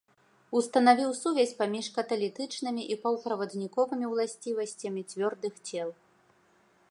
Устанавіў сувязь паміж каталітычнымі і паўправадніковымі ўласцівасцямі цвёрдых цел.